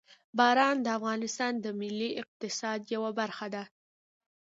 باران د افغانستان د ملي اقتصاد یوه برخه ده.